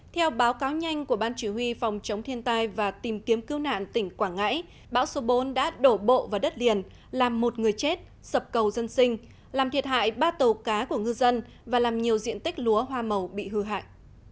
theo báo cáo nhanh của ban chỉ huy phòng chống thiên tai và tìm kiếm cứu nạn tỉnh quảng ngãi bão số bốn đã đổ bộ vào đất liền làm một người chết sập cầu dân sinh làm thiệt hại ba tàu cá của ngư dân và làm nhiều diện tích lúa hoa màu bị hư hại